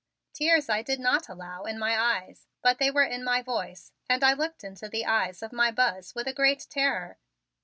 Tears I did not allow in my eyes, but they were in my voice, and I looked into the eyes of my Buzz with a great terror.